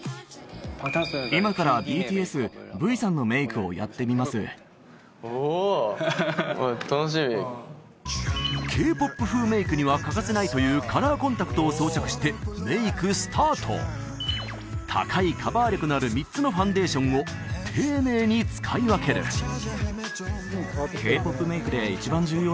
今からをやってみますＫ−ＰＯＰ風メイクには欠かせないというカラーコンタクトを装着してメイクスタート高いカバー力のある３つのファンデーションを丁寧に使い分けるあ